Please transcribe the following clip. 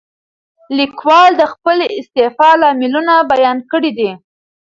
لیکوال د خپلې استعفا لاملونه بیان کړي دي.